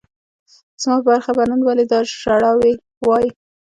زما په برخه به نن ولي دا ژړاوای